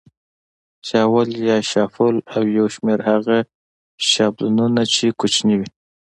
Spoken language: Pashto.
شاول یا شافول او یو شمېر هغه شابلونونه چې کوچني وي.